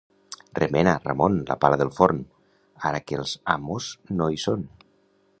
Remena, Ramon, la pala del forn, ara que els amos no hi són.